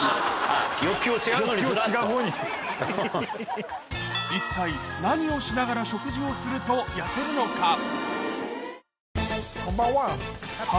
一体に学ぶ一体何をしながら食事をすると痩せるのか？